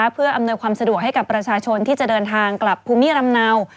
เพื่ออำนวยความสะดวกให้กับประชาชนที่จะเดินทางกลับภูมิลำเนา